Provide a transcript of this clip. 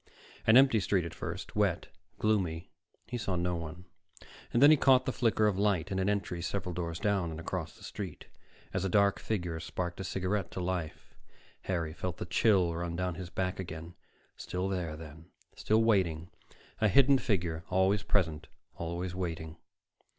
An empty street at first, wet, gloomy. He saw no one. Then he caught the flicker of light in an entry several doors down and across the street, as a dark figure sparked a cigarette to life. Harry felt the chill run down his back again. Still there, then, still waiting, a hidden figure, always present, always waiting....